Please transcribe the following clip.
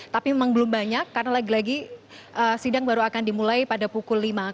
tapi memang belum banyak karena lagi lagi sidang baru akan dimulai pada pukul lima